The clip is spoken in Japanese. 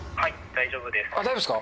大丈夫ですか？